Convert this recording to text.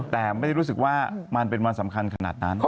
แต่ไม่ได้รู้สึกว่ามันเป็นวันสำคัญขนาดนั้น